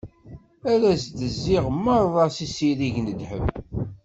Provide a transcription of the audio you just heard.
Ad as-d-tezziḍ meṛṛa s izirig n ddheb.